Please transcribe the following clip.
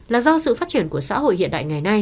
là do sự phát triển của xã hội hiện đại